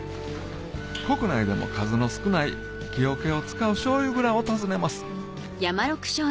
国内でも数の少ない木桶を使う醤油蔵を訪ねます